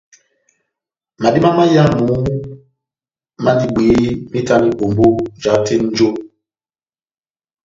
Madiba máyamu mandini bwehé, mahitani ombó jahate nʼnjo.